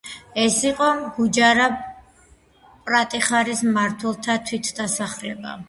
ეს იყო გუჯარა–პრატიხარას მმართველთა თვითდასახელება.